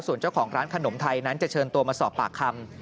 ส่วนเจ้าของร้านขนมไทยนั้นจะเชิญตัวมาสอบปากคำ